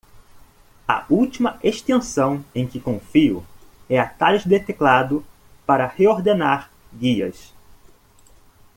A última extensão em que confio é Atalhos de Teclado para Reordenar Guias.